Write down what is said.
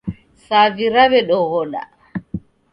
Savi rawedoghoda